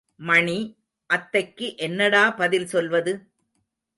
மணி, அத்தைக்கு என்னடா பதில் சொல்வது?